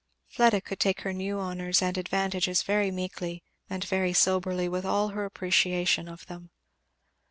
Fleda could take her new honours and advantages very meekly, and very soberly, with all her appreciation of them.